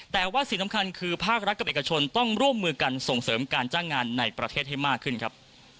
แต่ว่าสิ่งสำคัญคือภาครัฐกับเอกชนต้องร่วมมือกันส่งเสริมการจ้างงานในประเทศให้มากขึ้นครับ